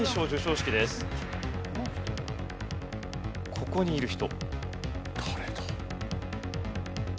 ここにいる人。